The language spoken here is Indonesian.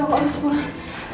aku harus istirahat